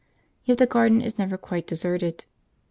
Yet the garden is never quite deserted.